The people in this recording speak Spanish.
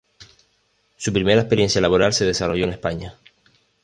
Su primera experiencia laboral se desarrolló en España.